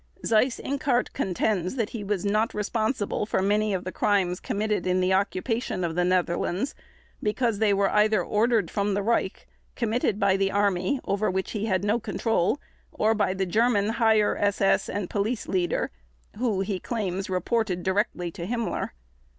Seyss Inquart contends that he was not responsible for many of the crimes committed in the occupation of the Netherlands because they were either ordered from the Reich, committed by the Army, over which he had no control, or by the German Higher SS and Police Leader, who, he claims, reported directly to Himmler.